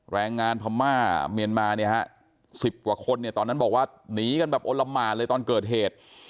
แรงงานพม่าเมียนมาเนี่ยฮะ๑๐กว่าคนเนี่ยตอนนั้นบอกว่าหนีกันแบบโอละหมานเลยตอนเกิดเหตุ